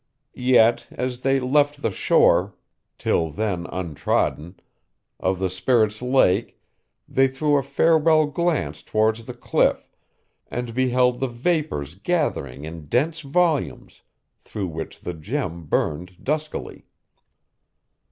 Yet, as they left the shore, till then untrodden, of the spirit's lake, they threw a farewell glance towards the cliff, and beheld the vapors gathering in dense volumes, through which the gem burned duskily.